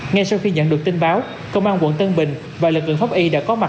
ngay sau khi nhận được tin báo công an quận tân bình và lực lượng pháp y đã có mặt